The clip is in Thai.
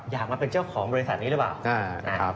อยากมาเป็นเจ้าของบริษัทนี้หรือเปล่า